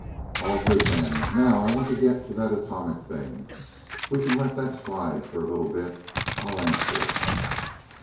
"All good then. Now I want to get to that atomic thing. We can let that slide for a little bit I'll answer it."